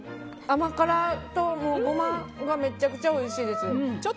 甘辛とゴマがめちゃくちゃおいしいです。